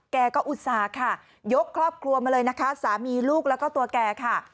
แกก็อุตส่าห์ค่ะยกครอบครัวมาเลยนะคะสามีลูกแล้วก็ตัวแกค่ะ